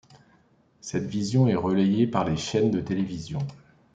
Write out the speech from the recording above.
Cette vision est relayée par les chaines de télévisions.